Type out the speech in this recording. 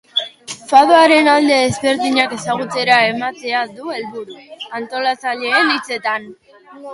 Fadoaren alde ezberdinak ezagutzera ematea du helburu, antolatzaileen hitzetan.